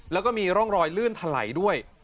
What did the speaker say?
แล้วก็มีร่องรอยลื่นถลัยด้วย